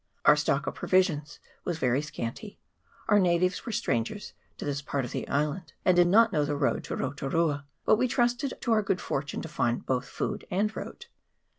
Our stock of provisions was very scanty; our natives were strange'rs to this part of the island, and did not know the road to Rotu rua, but we trusted to our good fortune to find both food and road.